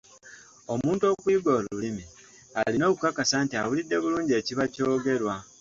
Omuntu okuyiga olulimi, alina okukakasa nti awulidde bulungi ekiba kyogerwa.